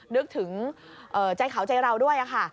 นึกถึงใจเขาใจเราด้วยค่ะ